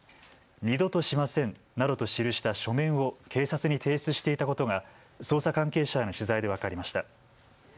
二度としませんなどと記した書面を警察に提出していたことが捜査関係者への取材で分かりました。